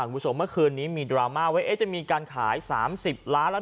คุณผู้ชมเมื่อคืนนี้มีดราม่าไว้เอ๊ะจะมีการขายสามสิบล้านแล้ว